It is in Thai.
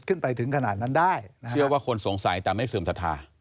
ขึ้นไปถึงขนาดนั้นได้เชื่อว่าคนสงสัยแต่ไม่เสื่อมศรัทธา